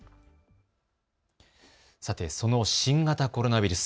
さてその新型コロナウイルス。